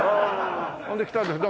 ほんで来たんです。